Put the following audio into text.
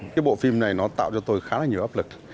cái bộ phim này nó tạo cho tôi khá là nhiều áp lực